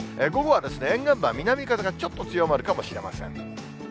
午後は沿岸部は南風がちょっと強まるかもしれません。